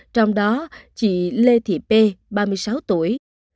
trong đó chị lê thị pê ba mươi sáu tuổi